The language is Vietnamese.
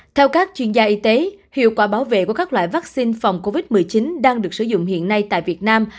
theo các chuyên gia y tế hiệu quả bảo vệ của các loại vaccine phòng covid một mươi chín đang được sử dụng hiện nay tại việt nam